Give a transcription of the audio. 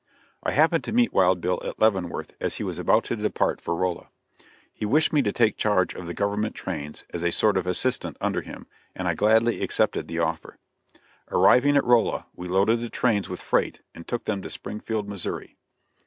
I happened to meet Wild Bill at Leavenworth as he was about to depart for Rolla; he wished me to take charge of the government trains as a sort of assistant under him, and I gladly accepted the offer. Arriving at Rolla, we loaded the trains with freight and took them to Springfield, Missouri.